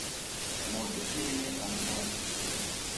È molto simile al naloxone.